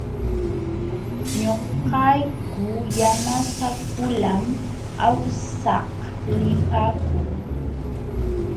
Ñuqayku yanasapulam awsaq lipaakuu.